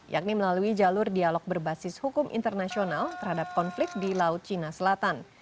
yakni melalui jalur dialog berbasis hukum internasional terhadap konflik di laut cina selatan